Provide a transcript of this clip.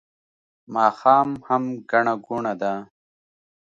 ماښام هم ګڼه ګوڼه ده